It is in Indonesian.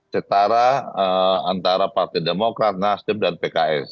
setara antara partai demokrat nasdem dan pks